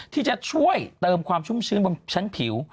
ที่จะช่วยเติมความชุ่มชื้นบนชั้นผิว